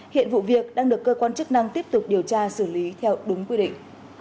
hiện vụ việc đang được cơ quan chức năng tiếp tục điều tra xử lý theo đúng quy định